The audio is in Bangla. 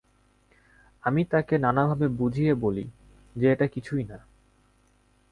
আমি তাকে নানানভাবে বুঝিয়ে বলি যে এটা কিছুই না।